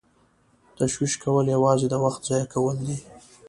تشویش کول یوازې د وخت ضایع کول دي.